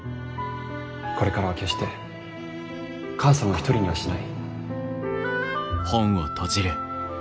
これからは決して母さんを一人にはしない。